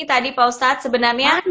tadi pak ustadz sebenarnya